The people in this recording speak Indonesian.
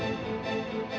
lo sudah nunggu